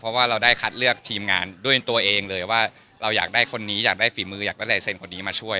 เพราะว่าเราได้คัดเลือกทีมงานด้วยตัวเองเลยว่าเราอยากได้คนนี้อยากได้ฝีมืออยากได้ลายเซ็นคนนี้มาช่วย